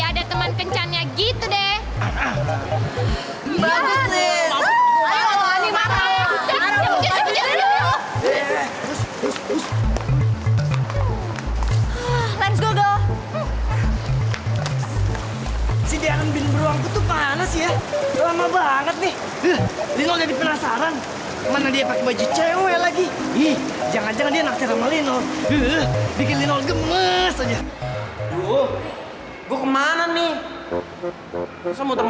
kalau udah kenyangan gini pasti gue ngantuk